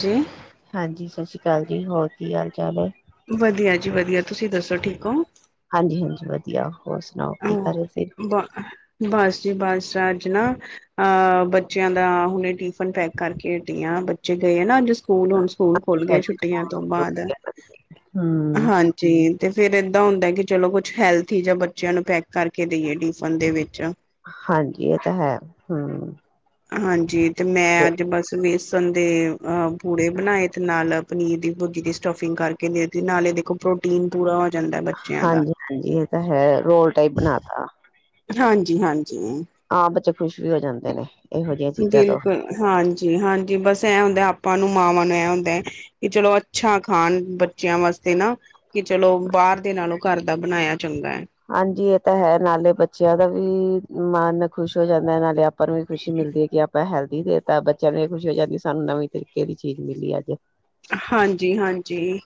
ਜੀ, ਹਾਂਜੀ, ਸਤਿ ਸ਼੍ਰੀ ਅਕਾਲ ਜੀ, ਹੋਰ ਕੀ ਹਾਲ ਚਾਲ ਐ? ਵਧੀਆ ਜੀ ਵਧੀਆ ਤੁਸੀਂ ਦੱਸੋ ਠੀਕ ਓ? ਹਾਂਜੀ-ਹਾਂਜੀ, ਵਧੀਆ ਹੋਰ ਸੁਣਾਓ ਕੀ ਕਰ ਰਹੇ ਸੀ? ਬ ਬਸ ਜੀ ਬਸ ਅੱਜ ਨਾ ਅਹ ਬੱਚਿਆਂ ਦਾ ਹੁਣੇ ਟਿਫਨ ਪੈਕ ਕਰਕੇ ਹਟੀ ਆ, ਬੱਚੇ ਗਏ ਆ ਨਾ ਅੱਜ ਸਕੂ ਸਕੂਲ ਹੁਣ ਸਕੂਲ ਖੁੱਲ ਗਏ ਛੁੱਟੀਆਂ ਤੋਂ ਬਾਅਦ, ਹਮ ਹਾਂ ਜੀ ਤੇ ਫੇਰ ਏਦਾਂ ਹੁੰਦਾ ਐ ਕਿ ਚਲੋ ਕੁਛ ਹੈਲਥੀ ਜਿਹਾ ਫਿਰ ਬੱਚਿਆਂ ਨੂੰ ਪੈਕ ਕਰਕੇ ਦੇਈਏ ਟਿਫਨ ਦੇ ਵਿੱਚ। ਹਾਂਜੀ, ਇਹ ਤਾਂ ਹੈ, ਹੂ। ਹਾਂਜੀ, ਤੇ ਮੈਂ ਅੱਜ ਬਸ ਵੇਸਣ ਦੇ ਅ ਪੂੜੇ ਬਣਾਏ ਤੇ ਨਾਲ ਪਨੀਰ ਦੀ ਭੁਰਜੀ ਦੀ ਸਟਫਿੰਗ ਕਰਕੇ ਦੇਤੀ, ਨਾਲੇ ਦੇਖੋ ਪ੍ਰੋਟੀਨ ਪੂਰਾ ਹੋ ਜਾਂਦਾ ਬੱਚਿਆਂ ਦਾ। ਹਾਂਜੀ ਹਾਂਜੀ ਇਹ ਤਾਂ ਹੈ ਰੋਲ ਟਾਈਪ ਬਣਾ ਤਾ। ਹਾਂਜੀ, ਹਾਂਜੀ। ਹਾਂ, ਬੱਚੇ ਖੁਸ਼ ਵੀ ਹੋ ਜਾਂਦੇ ਨੇ। ਇਹੋ ਜਿਹੀਆਂ ਚੀਜ਼ਾਂ ਤੋਂ ਬਿਲਕੁਲ, ਹਾਂਜੀ, ਹਾਂਜੀ, ਬਸ ਐ ਹੁੰਦਾ ਆਪਾਂ ਨੂੰ ਮਾਵਾਂ ਨੂੰ ਐ ਹੁੰਦਾ ਕਿ ਚਲੋ ਅੱਛਾ ਖਾਣ ਬੱਚਿਆਂ ਵਾਸਤੇ ਨਾ, ਕਿ ਚਲੋ ਬਾਹਰ ਦੇ ਨਾਲੋਂ ਘਰ ਦਾ ਬਣਾਇਆ ਚੰਗਾ ਐ। ਹਾਂਜੀ, ਇਹ ਤਾਂ ਹੈ ਨਾਲੇ ਬੱਚਿਆਂ ਦਾ ਵੀ ਮਨ ਖੁਸ਼ ਹੋ ਜਾਂਦਾ ਨਾਲੇ ਆਪ ਆਪਾਂ ਨੂੰ ਵੀ ਖੁਸ਼ੀ ਮਿਲਦੀ ਐ ਕਿ ਆਪਾਂ ਹੈਲਦੀ ਦੇਤਾ, ਬੱਚਿਆਂ ਨੂੰ ਵੀ ਖੁਸ਼ੀ ਹੋ ਜਾਂਦੀ ਸਾਨੂੰ ਨਵੀਂ ਤਰੀਕੇ ਦੀ ਚੀਜ਼ ਮਿਲੀ ਐ ਅੱਜ। ਹਾਂਜੀ, ਹਾਂਜੀ,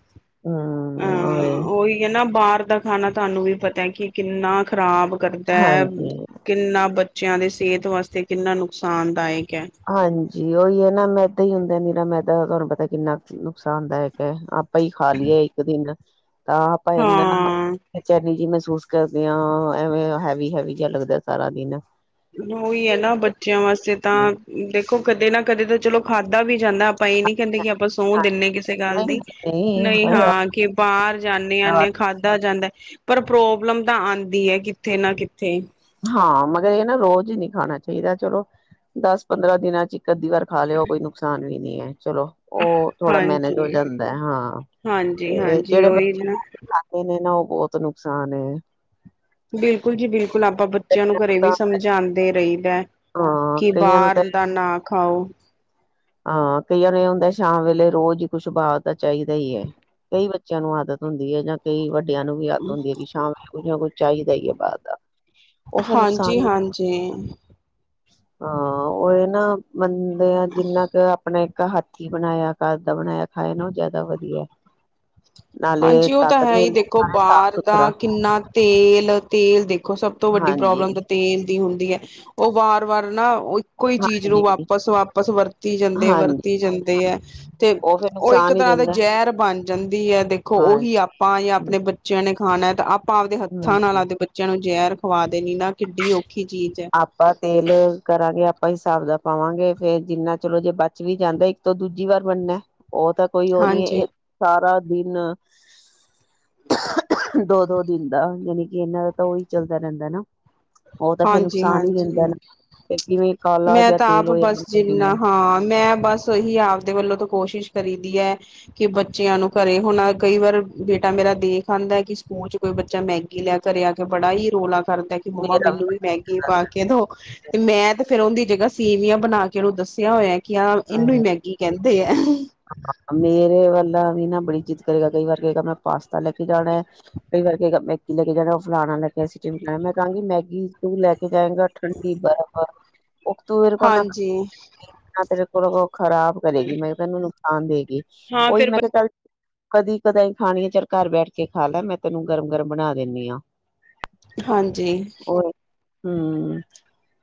ਹਮ ਹੋਰ ਅਹ ਉਹੀ ਕਿ ਨਾ ਬਾਹਰ ਦਾ ਖਾਣਾ ਤੁਹਾਨੂੰ ਵੀ ਪਤਾ ਏ ਕਿ ਕਿੰਨਾ ਖ਼ਰਾਬ ਕਰਦਾ ਐ। ਹਾਂਜੀ ਕਿੰਨਾ ਬੱਚਿਆਂ ਦੇ ਸਿਹਤ ਵਾਸਤੇ ਕਿੰਨਾ ਨੁਕਸਾਨਦਾਇਕ ਐ। ਹਾਂਜੀ ਉਹੀ ਐ ਨਾ ਮੈਦਾ ਹੀ ਹੁੰਦਾ ਨੀਰਾ ਮੈਦਾ ਤੁਹਾਨੂੰ ਪਤਾ ਕਿੰਨਾ ਨੁਕਸਾਨਦਾਇਕ ਐ ਆ ਆਪ ਹੀ ਖਾ ਲਈਏ ਇੱਕ ਦਿਨ ਤਾਂ ਆਪਾਂ ਏਨਾ ਹਾਂ ਬੇਚੈਨੀ ਜੀ ਮਹਿਸੂਸ ਕਰਦਿਆਂ ਐਵੇਂ ਹੈਵੀ, ਹੈਵੀ ਜਿਹਾ ਲੱਗਦਾ ਸਾਰਾ ਦਿਨ। ਉਹੀ ਹੈ ਨਾ ਬੱਚਿਆਂ ਵਾਸਤੇ ਤਾਂ ਦੇਖੋ ਕਦੇ ਨਾ ਕਦੇ ਤਾਂ ਚਲੋ ਖਾਧਾ ਵੀ ਜਾਂਦਾ, ਆਪਾਂ ਇਹ ਨੀ ਕਹਿੰਦੇ ਕਿ ਆਪਾਂ ਤੂੰ ਦਿਨੀ ਕਿਸੇ ਗੱਲ ਦੀ। ਨਹੀਂ ਹਾਂ ਕਿ ਬਾਹਰ ਜਾਂਨੇ ਆਨੇ ਖਾਧਾ ਜਾਂਦਾ। ਪਰ ਪ੍ਰੋਬਲਮ ਤਾਂ ਆਉਂਦੀ ਐ ਕਿੱਥੇ ਨਾ ਕਿੱਥੇ। ਹਾਂ, ਮਗਰ ਇਹ ਨਾ ਰੋਜ਼ ਹੀ ਨਹੀਂ ਖਾਣਾ ਚਾਹੀਦਾ ਚਲੋ ਦਸ ਪੰਦਰਾਂ ਦਿਨਾਂ ਚ ਇਕ ਅੱਧੀ ਵਾਰ ਖਾ ਲਿਓ ਉਹ ਕੋਈ ਨੁਕਸਾਨ ਵੀ ਨੀ ਏ ਚਲੋ। ਉਹ ਥੋੜਾ ਮੈਨੇਜ ਹੋ ਹਾਂਜੀ ਜਾਂਦਾ ਏ ਹਾ ਹਾਂਜੀ ਹਾਂਜੀ ਜਿਹੜੇ ਉਹੀ ਬੱਚੇ ਨਾ ਇਨੇ ਨਾ ਉਹ ਬਹੁਤ ਨੁਕਸਾਨ ਏ। ਬਿਲਕੁਲ ਜੀ, ਬਿਲਕੁਲ ਆਪਾਂ ਬੱਚਿਆਂ ਨੂੰ ਘਰੇ ਵੀ ਤਾਂ ਸਮਝਾਉਂਦੇ ਰਹੀਦਾ। ਹਾਂ ਕਿ ਕਈਆਂ ਨੂੰ ਬਾਹਰ ਤਾਂ ਦਾ ਨਾ ਖਾਓ। ਹਾਂ ਕਈਆਂ ਨੂੰ ਏ ਹੁੰਦਾ ਸ਼ਾਮ ਵੇਲੇ ਰੋਜ਼ ਹੀ ਕੁਛ ਬਾਹਰ ਦਾ ਚਾਹੀਦਾ ਹੀ ਏ। ਕਈ ਬੱਚੇ ਬੱਚਿਆਂ ਨੂੰ ਆਦਤ ਹੁੰਦੀ ਐ ਜਾਂ ਕਈ ਵੱਡਿਆਂ ਨੂੰ ਵੀ ਆਦਤ ਹੁੰਦੀ ਐ ਕਿ ਸ਼ਾਮ ਕੁਝ ਨਾ ਕੁਝ ਚਾਹੀਦਾ ਹੀ ਏ ਬਾਹਰ ਦਾ। ਉਹ ਫਿਰ ਹਾਂਜੀ ਨੁਕਸਾਨ ਵੀ, ਹਾਂਜੀ ਹਾਂ ਉਹ ਏ ਨਾ। ਮੰਨਦੇ ਆ ਜਿੰਨਾ ਕੁ ਆਪਣਾ ਇੱਕ ਹੱਥੀ ਬਣਾਇਆ, ਘਰ ਦਾ ਬਣਾਇਆ ਖਾਇਆ ਨਾ ਉਹ ਜ਼ਿਆਦਾ ਵਧੀਆ। ਨਾਲੇ ਹਾਂਜੀ ਉਹ ਤਾਂ ਤਾਕਤ ਹੈ ਹੀ ਮਿਲਦੀ ਦੇਖੋ ਨਾਲੇ ਸਾਫ਼ ਬਾਹਰ ਸੁਥਰਾ ਦਾ ਕਿੰਨਾ ਤੇਲ ਤੇਲ ਦੇਖੋ ਸਭ ਤੋਂ ਵੱਡੀ ਹਾਂਜੀ। ਪ੍ਰੋਬਲਮ ਤਾਂ। ਤੇਲ ਦੀ ਹੁੰਦੀ ਐ, ਉਹ ਵਾਰ ਵਾਰ ਨਾ। ਕੋਈ ਚੀਜ਼ ਨੂੰ ਹਾਂਜੀ, ਵਾਪਸ ਵਾਪਸ ਵਰਤੀ ਜਾਂਦੇ ਹਾਂਜੀ ਵਰਤੀ ਜਾਂਦੇ ਐ। ਤੇ ਫੇਰ ਉਹ ਇੱਕ ਨੁਕਸਾਨ ਹੀ ਤਰ੍ਹਾਂ ਦੇ ਦਿੰਦਾ ਜ਼ਹਿਰ ਬਣ ਜਾਂਦੀ ਐ ਤੇ ਤੇ ਹਾਂ ਉਹੀ ਆਪਾਂ ਜਾਂ ਹੂੰ। ਆਪਣੇ ਬੱਚਿਆਂ ਨੇ ਖਾਣਾ ਐ ਤਾਂ ਆਪਾਂ ਆਪਦੇ ਹੱਥਾਂ ਹੂੰ। ਨਾਲ ਆਪਦੇ ਬੱਚੇ। ਬੱਚਿਆਂ ਨੂੰ ਜਹਿਰ ਖਵਾ ਦੇਣੀ ਨਾ ਕਿੱਡੀ ਔਖੀ ਚੀਜ਼ ਹੈ। ਆਪਾਂ ਤੇਲ ਕਰਾਂਗੇ ਆਪਾਂ ਹਿਸਾਬ ਦਾ ਪਾਵਾਂਗੇ। ਫੇਰ ਜਿੰਨਾ ਚਲੋ ਜੇ ਬਚ ਵੀ ਜਾਂਦਾ। ਤੋਂ ਦੂਜੀ ਵਾਰ ਬਣਨਾ ਉਹ ਤਾਂ ਕੋਈ ਉਹ ਨੀ ਹੈ ਹਾਂਜੀ ਇਹ ਸਾਰਾ ਦਿਨ। ਦੋ ਦੋ ਦਿਨ ਦਾ ਜਾਣੀ ਕਿ ਇਹਨਾਂ ਦਾ ਤਾਂ ਉਹੀ ਚੱਲਦਾ ਰਹਿੰਦਾ ਨਾ। ਉਹ ਤਾਂ ਫੇਰ ਜੀ ਨੁਕਸਾਨ ਹੀ ਹਾਂਜੀ, ਦਿੰਦਾ ਨਾ ਹਾਂਜੀ ਫਿਰ ਕਿਵੇਂ ਕਾਲਾ ਮੈਂ ਜਾਂ ਤਾਂ ਤੇਲ ਆਪ ਹੋ ਬੱਸ ਜਾਂਦਾ ਕਿਵੇਂ ਜਿੰਨਾ ਹਾਂ ਮੈਂ ਬੱਸ। ਤੋਂ ਹੀ ਆਪਦੇ ਵੱਲੋਂ ਤਾਂ ਕੋਸ਼ਿਸ਼ ਕਰੀ ਦੀ ਹੈ ਕਿ ਬੱਚਿਆਂ ਨੂੰ ਘਰੇ ਹੋਣਾ ਕਈ ਵਾਰ ਬੇਟਾ ਮੇਰਾ ਦੇਖ ਆਉਂਦਾ। ਕਿ ਸਕੂਲ ਚ ਕੋਈ ਬੱਚਾ ਮੈਗੀ ਲੈ ਘਰੇ ਆ ਕੇ ਬੜਾ ਹੀ ਰੌਲਾ ਕਰਦਾ ਕਿ ਮੰਮਾ। ਮੇਰਾ ਮੈਨੂੰ ਵੀ ਬੜਾ ਮੈਗੀ ਪਾ ਕੇ ਦੋ ਤੇ ਮੈਂ ਤੇ ਫੇਰ ਉਹਦੀ ਜਗ੍ਹਾ ਸੇਵੀਆਂ ਬਣਾ ਕੇ ਉਹਨੂੰ ਦੱਸਿਆ ਹੋਇਆ। ਕਿ ਆ ਇਹਨੂੰ ਹੀ ਮੈਗੀ ਕਹਿੰਦੇ ਆ। ਮੇਰੇ ਵਾਲਾ ਵੀ ਨਾ ਬੜੀ ਜਿੱਦ ਕਰੇਗਾ ਕਈ ਵਾਰ ਕਹੇਗਾ ਮੈਂ ਪਾਸਤਾ ਲੈ ਕੇ ਜਾਣਾ। ਕਈ ਵਾਰ ਕਹੇਗਾ ਮੈਗੀ ਲੈ ਕੇ ਜਾਣਾ ਉਹ ਫਲਾਣਾ ਲੈ ਕੇ ਆਇਆ ਸੀ ਢਿਮਕਾਣਾ ਲੈ ਕੇ ਮੈਂ ਕਹਾਂਗੀ ਮੈਗੀ। ਸਕੂਲ ਲੈ ਕੇ ਜਾਏਗਾ ਠੰਡੀ ਬਰਫ਼ ਉੱਤੋਂ ਮੇਰੇ ਕੋਲੋਂ ਨਾ ਹਾਂਜੀ ਖਾਦੀ ਜਾਂਦੀ ਆ। ਨਾ ਤੇਰੇ ਕੋਲ ਖ਼ਰਾਬ ਕਰੇਗੀ ਮੈਂ ਤੈਨੂੰ ਨੁਕਸਾਨ ਦੇਗੀ ਹਾਂ ਉਹੀ ਫਿਰ ਮੈਂ ਕਿਹਾ ਚੱਲ। ਕਦੀ ਕਦਾਈ ਖਾਣੀ ਆ ਚਲ ਘਰ ਬੈਠ ਕੇ ਖਾ ਲੈ ਮੈਂ ਤੈਨੂੰ ਗਰਮ ਗਰਮ ਬਣਾ ਦਿੰਦੀ ਹਾਂ। ਹਾਂਜੀ ਉਹੀ ਹਮ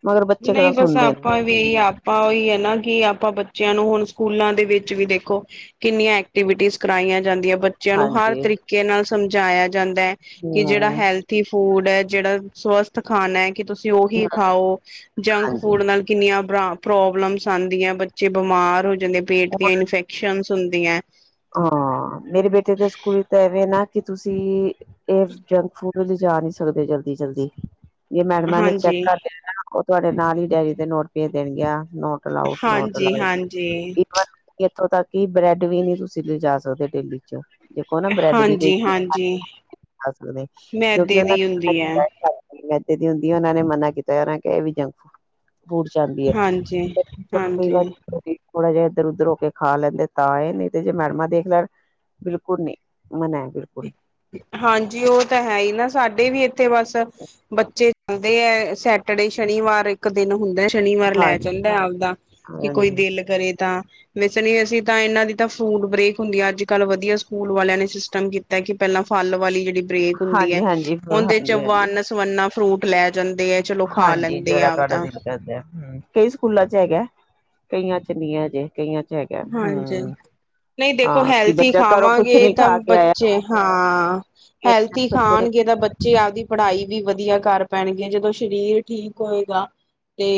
ਮਗਰ ਬੱਚੇ ਨਹੀਂ ਕਿਹੜਾ ਬਸ ਸੁਣਦੇ ਨੇ। ਆਪਾਂ ਵੀ ਆਪਾਂ ਉਹੀ ਹੈ ਨਾ ਕਿ ਆਪਾਂ ਬੱਚਿਆਂ ਨੂੰ ਹੁਣ ਸਕੂਲਾਂ ਦੇ ਵਿੱਚ ਵੀ ਦੇਖੋ। ਇੰਨੀਆਂ ਐਕਟੀਵਿਟੀਜ਼ ਕਰਵਾਈਆਂ ਜਾਂਦੀਆਂ। ਬੱਚਿਆਂ ਨੂੰ ਹਰ ਹਾਂਜੀ ਤਰੀਕੇ ਨਾਲ ਸਮਝਾਇਆ ਜਾਂਦਾ ਹੈ ਕਿ ਜਿਹੜਾ ਹੈਲਥ। ਹਮ ਹੈਲਥੀ ਫੂਡ ਹੈ ਜਿਹੜਾ ਸਵਸਥ ਖਾਣਾ ਹੈ ਕਿ ਤੁਸੀਂ ਉਹੀ ਖਾਓ ਜੰਕ ਹਾਂਜੀ ਹਾਂ ਫੂਡ ਕਿੰਨੀਆਂ ਪ੍ਰੋਬਲਮਸ ਆਉਂਦੀਆਂ ਬੱਚੇ ਬਿਮਾਰ ਹੋ ਜਾਂਦੇ ਪੇਟ ਦੀਆਂ ਇਨਫੈਕ। ਇਨਫੈਕਸ਼ਨ ਹੁੰਦੀਆਂ। ਹਾਂ ਮੇਰੇ ਬੇਟੇ ਦੇ ਸਕੂਲ ਤਾਂ ਇਵੇਂ ਨਾ ਕਿ ਤੁਸੀਂ ਇਹ ਜੰਕ ਫੂਡ। ਲਿਜਾ ਨੀ ਸਕਦੇ ਜਲਦੀ ਜਲਦੀ ਜੇ ਮੈਡਮਾਂ ਨੇ ਚੈੱਕ ਹਾਂਜੀ ਕਰ ਲਿਆ ਨਾ। ਉਹ ਤੁਹਾਡੇ ਨਾਲ ਹੀ ਡੈਰੀ ਦੇ ਨੋਟ ਭੇਜ ਦੇਣ ਗਿਆ ਨੋਟ ਅਲਾਉਡ ਹਾਂਜੀ ਨੋਟਅਲਾਉਡ। ਹਾਂਜੀ ਬਸ ਇੱਥੋਂ ਤੱਕ ਕਿ ਬ੍ਰੈਡ ਵੀ ਨੀ ਤੁਸੀਂ ਲਿਜਾ ਸਕਦੇ ਟਿਫਨ ਵਿੱਚ। ਦੇਖੋ ਨਾ ਬ੍ਰੈਡ ਦੀ ਕੋਈ ਹਾਂਜੀ ਖ ਹਾਂਜੀ ਸਕਦੇ ਕਿਉਂਕਿ ਮੈਦੇ ਉਹ ਦੀ ਹੁੰਦੀ ਹੈ ਮੈਦੇ ਦੀ ਹੁੰਦੀ ਉਹਨਾਂ ਨੇ ਮਨਾ ਕੀਤਾ ਉਹਨਾਂ ਕਿਹਾ ਇਹ ਵੀ ਜੰਗ ਫੂਡ। [unintelligible] ਜਾਂਦੀ ਐ ਹਾਂਜੀ ਕਈ ਵਾਰ ਹਾਂਜੀ [unintelligible] ਥੋੜਾ ਜਿਹਾ ਇੱਧਰ ਉੱਧਰ ਹੋ ਕੇ ਖਾ ਲੈਂਦੇ ਤਾਂ ਇਹ ਨੇ, ਤੇ ਮੈਡਮਾਂ ਦੇਖ ਲੈਣ ਬਿਲਕੁਲ ਨਹੀਂ [unintelligible] ਬਿਲਕੁਲ ਹਾਂਜੀ, ਉਹ ਤਾਂ ਹੈਈ ਨਾ ਸਾਡੇ ਵੀ ਇੱਥੇ ਬਸ ਬੱਚੇ ਜਾਂਦੇ ਐ ਸੈਟਰਡੇ ਸ਼ਨੀਵਾਰ ਇੱਕ ਦਿਨ ਹੁੰਦਾ ਸ਼ਨੀਵਾਰ ਹਾਂ ਲੈ ਜਾਂਦਾ ਆਪਦਾ ਕਿ ਕੋਈ ਹਾਂਜੀ ਦਿਲ ਕਰੇ ਤਾਂ। ਵੈਸੇ ਵੀਅਸੀਂ ਤਾਂ ਇਹਨਾ ਦੀ ਤਾਂ ਫੂਡ ਬ੍ਰੇਕ ਹੁੰਦੀ ਆ ਅੱਜ ਕੱਲ੍ਹ ਵਧੀਆ ਸਕੂਲ ਵਾਲਿਆਂ ਨੇ ਸਿਸਟਮ ਕੀਤਾ। ਕਿ ਪਹਿਲਾਂ ਫਲ ਵਾਲੀ ਜਿਹੜੀ ਬਰੇਕ ਹੁੰਦੀ ਐ ਹਾਂਜੀ ਹਾਂਜੀ ਉਹਦੇ ਚ ਹਾਂਜੀ ਹਾਂਜੀ ਵਨ ਸਵੰਨਾ ਫਰੂਟ ਲੈ ਜਾਂਦੇ ਐ। ਹਾਂਜੀ, ਜਿਹੜਾ ਤੁਹਾਡਾ ਦਿਲ ਕਰਦਾ ਹੂੰ, ਕਈ ਸਕੂਲਾਂ ਚ ਹੈਗਾ ਕਈਆਂ ਚ ਨੀ ਆ ਹਜੇ। ਕਈਆਂ ਚ ਹੈਗਾ ਹਾਂਜੀ ਹੂੰ। ਨਹੀਂ ਦੇਖੋ ਹਾਂ ਕਿ ਹੈਲਥੀ ਬੱਚਾ ਘਰੋਂ ਕੁਛ ਖਾਵਾਂਗੇ ਨੀ ਤਾਂ ਖਾ ਕੇ ਆਇਆ ਬੱਚੇ ਹਾਂ ਹੈਲਥੀ ਬੱਚੇ ਨੇ ਖਾਣਗੇ ਤਾਂ ਬ ਬੱਚੇ ਆਪਦੀ ਪੜ੍ਹਾਈ ਵੀ ਵਧੀਆ ਕਰ ਪੈਣਗੇ ਜਦੋਂ ਸਰੀਰ ਠੀਕ ਹੋਏਗਾ ਤੇ